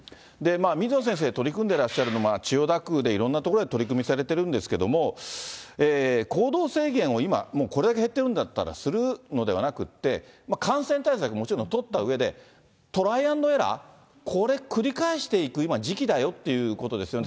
水野先生、取り組んでらっしゃる、千代田区でいろんな所で取り組みされてるんですけれども、行動制限を今、これだけ減ってるんだったら、するのではなくて、感染対策、もちろん取ったうえでトライ＆エラー、これ、繰り返していく今、次期だよということですよね。